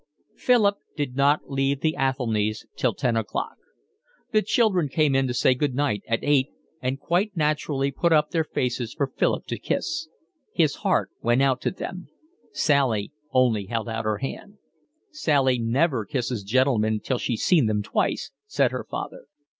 Philip did not leave the Athelnys' till ten o'clock. The children came in to say good night at eight and quite naturally put up their faces for Philip to kiss. His heart went out to them. Sally only held out her hand. "Sally never kisses gentlemen till she's seen them twice," said her father.